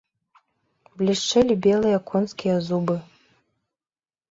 Блішчэлі белыя конскія зубы.